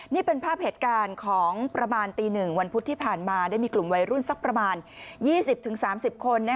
นี่เป็นภาพเหตุการณ์ของประมาณตี๑วันพุธที่ผ่านมาได้มีกลุ่มวัยรุ่นสักประมาณ๒๐๓๐คน